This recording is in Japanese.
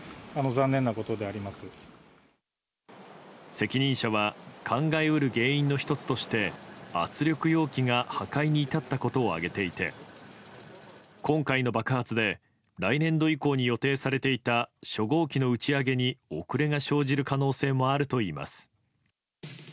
責任者は考え得る原因の１つとして圧力容器が破壊に至ったことを挙げていて今回の爆発で来年度以降に予定されていた初号機の打ち上げに遅れが生じる可能性もあるといいます。